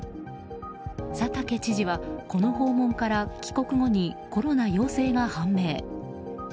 佐竹知事はこの訪問から帰国後にコロナ陽性が判明。